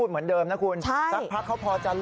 ตอนที่มาอย่างไร